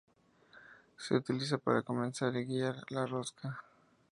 Se utiliza para comenzar y guiar la rosca.